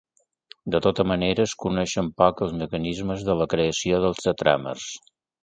De tota manera es coneixen poc els mecanismes de la creació dels tetràmers.